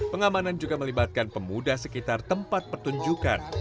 pengamanan juga melibatkan pemuda sekitar tempat pertunjukan